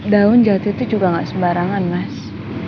daun jatuh itu juga nggak sembarangan mas